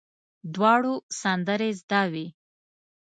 دواړو سندرې زده وې.